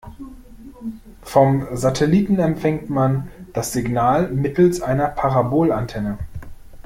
Vom Satelliten empfängt man das Signal mittels einer Parabolantenne.